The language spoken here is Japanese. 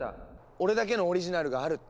俺だけのオリジナルがあるって。